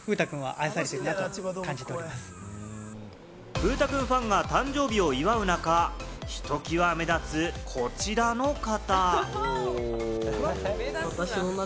風太くんファンが誕生日を祝う中、ひときわ目立つ、こちらの方。